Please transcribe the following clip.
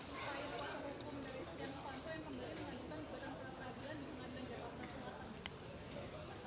yang kembali diwajibkan kepada pra peradilan dengan menjawabkan peraturan